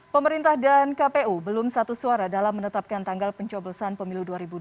pemerintah dan kpu belum satu suara dalam menetapkan tanggal pencoblosan pemilu dua ribu dua puluh